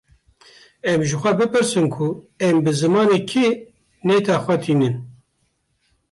Em ji xwe bipirsin ku em bi zimanê kê nêta xwe dînin